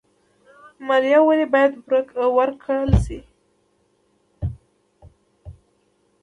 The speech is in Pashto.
مالیه ولې باید ورکړل شي؟